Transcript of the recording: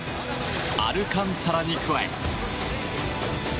アルカンタラに加え。